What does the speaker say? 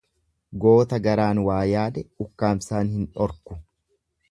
Goota garaan waa yaade ukkaamsaan hin dhorku.